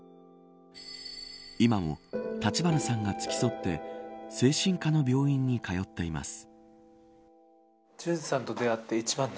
今も橘さんが付き添って精神科の病院に通っています。